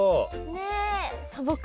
ねえ。